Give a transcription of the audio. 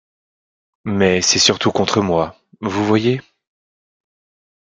Mais c’est surtout contre moi, vous voyez.